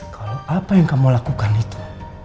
kalau apa yang kamu lakukan itu